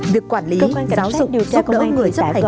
việc quản lý giáo dục giúp đỡ người chấp hành